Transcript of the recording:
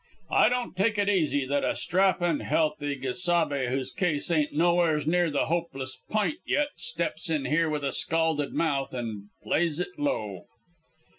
I don't take it easy that a strappin', healthy gesabe whose case ain't nowheres near the hopeless p'int yet steps in here with a scalded mouth and plays it low.'